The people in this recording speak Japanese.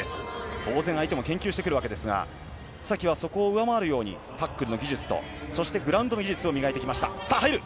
当然相手も研究してくるわけですがそこを上回るようにタックルの技術とグラウンドの技術を磨いてきました。